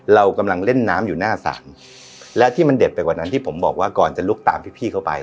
เรากำลังเล่นน้ำอยู่หน้าศาลและที่มันเด็ดไปกว่านั้นที่ผมบอกว่าก่อนจะลุกตามพี่เข้าไป